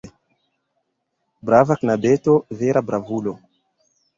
Brava knabeto, vera bravulo!